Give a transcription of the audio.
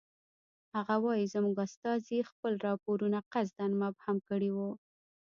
هغه وایي زموږ استازي خپل راپورونه قصداً مبهم کړی وو.